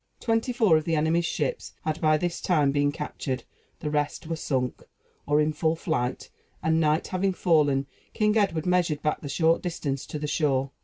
Twenty four of the enemy's ships had by this time been captured; the rest were sunk, or in full flight; and, night having fallen, King Edward measured back the short distance to the shore.